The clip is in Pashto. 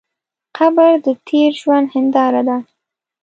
قبر د تېر ژوند هنداره ده.